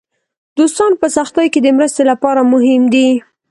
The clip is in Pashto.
دوستان په سختیو کې د مرستې لپاره مهم دي.